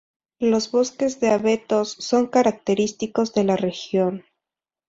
Los bosques de abetos son característicos de la región.